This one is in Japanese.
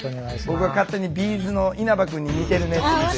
僕が勝手にＢ’ｚの稲葉くんに似てるねって言ってる。